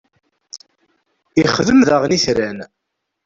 ixdem daɣen itran.